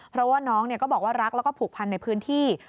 เพราะว่าน้องก็บอกว่ารักแล้วก็ผูกพันในพื้นที่